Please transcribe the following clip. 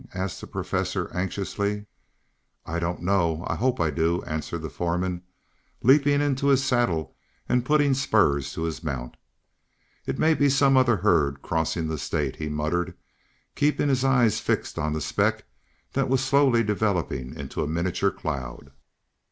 asked the Professor anxiously. "I don't know. I hope I do," answered the foreman, leaping into his saddle and putting spurs to his mount. "It may be some other herd crossing the state," he muttered, keeping his eyes fixed on the speck that was slowly developing into a miniature cloud.